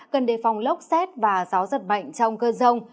cần đề phòng lốc xét và gió giật mạnh trong cơn rông